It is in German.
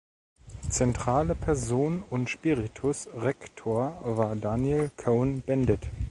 Zentrale Person und Spiritus Rector war Daniel Cohn-Bendit.